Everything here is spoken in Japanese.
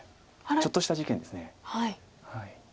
ちょっとした事件です。